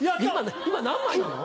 今何枚なの？